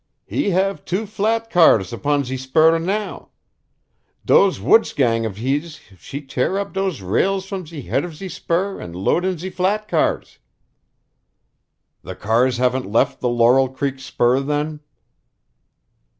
"He have two flat cars upon ze spur now. Dose woods gang of hees she tear up dose rails from ze head of ze spur and load in ze flat cars." "The ears haven't left the Laurel Creek spur, then?"